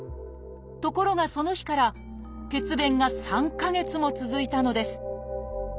ところがその日から血便が３か月も続いたのです。